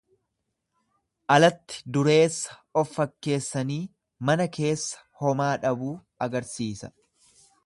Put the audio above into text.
Alatti dureessa of fakkeessanii mana keessa homaa dhabuu agarsiisa.